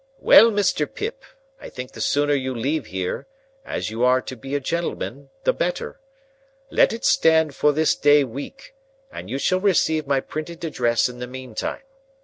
"Well, Mr. Pip, I think the sooner you leave here—as you are to be a gentleman—the better. Let it stand for this day week, and you shall receive my printed address in the meantime.